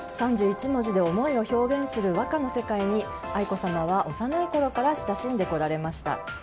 ３１文字で思いを表現する和歌の世界に愛子さまは幼いころから親しんでこられました。